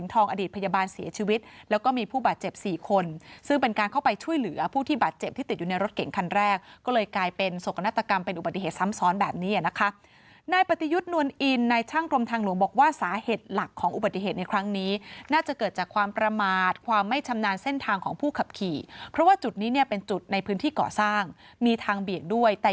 กนาฏกรรมเป็นอุบัติเหตุซ้ำซ้อนแบบนี้นะคะนายปฏิยุทธ์นวลอินนายช่างกรมทางหลวงบอกว่าสาเหตุหลักของอุบัติเหตุในครั้งนี้น่าจะเกิดจากความประมาทความไม่ชำนาญเส้นทางของผู้ขับขี่เพราะว่าจุดนี้เนี่ยเป็นจุดในพื้นที่ก่อสร้างมีทางเบียดด้วยแต่